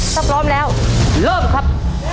ถ้าพร้อมแล้วเริ่มครับ